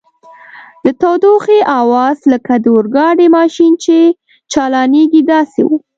د ټوخي آواز لکه د اورګاډي ماشین چي چالانیږي داسې و.